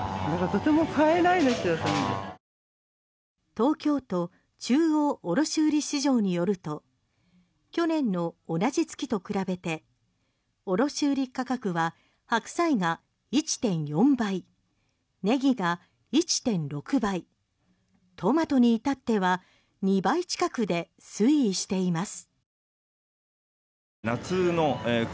東京都中央卸売市場によると去年の同じ月と比べて卸売価格はハクサイが１．４倍ネギが１．６倍トマトに至っては２倍近くで推移しています。